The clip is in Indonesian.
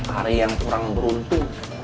hari yang kurang beruntung